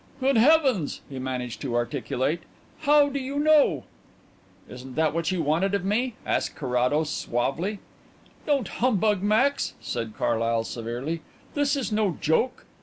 "Good heavens!" he managed to articulate, "how do you know?" "Isn't that what you wanted of me?" asked Carrados suavely. "Don't humbug, Max," said Carlyle severely. "This is no joke."